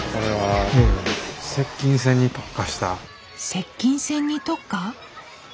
接近戦に特化？